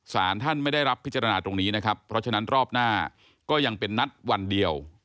สารท่านไม่ได้รับพิจารณาตรงนี้นะครับเพราะฉะนั้นรอบหน้าก็ยังเป็นนัดวันเดียว